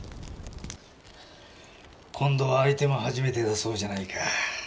今度は相手も初めてだそうじゃないか。